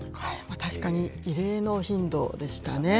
確かに異例の頻度でしたね。